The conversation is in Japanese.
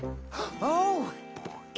おい！